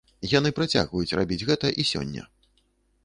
Яны працягваюць рабіць гэта і сёння.